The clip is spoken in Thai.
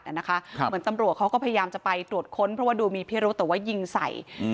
เหมือนตำรวจเขาก็พยายามจะไปตรวจค้นเพราะว่าดูมีพิรุษแต่ว่ายิงใส่